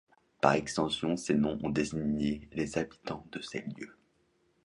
Par extension, ces noms ont désigné les habitants de ces lieux.